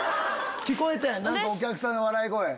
聞こえたやんお客さんの笑い声。